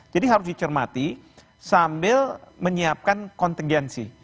harus dicermati sambil menyiapkan kontingensi